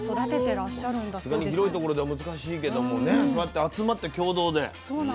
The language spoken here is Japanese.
さすがに広い所では難しいけどもねそうやって集まって共同で。